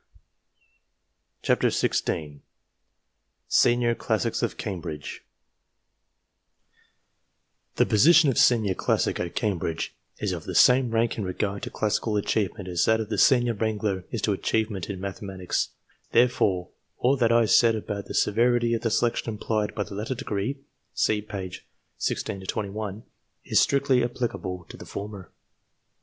SENIOR CLASSICS OF CAMBRIDGE 289 SENIOE CLASSICS OF CAMBEIDGE THE position of Senior Classic at Cambridge is of the same rank in regard to classical achievement as that of Senior Wrangler is to achievement in mathematics ; therefore all that I said about the severity of the selection implied by the latter degree (see pp. 1520) is strictly applicable to the former.